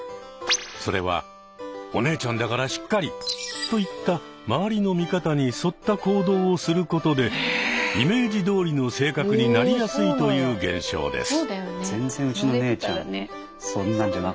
それは「お姉ちゃんだからしっかり」といった周りの見方に沿った行動をすることでイメージどおりの性格になりやすいという現象です。